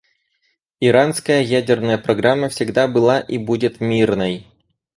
Иранская ядерная программа всегда была и будет мирной.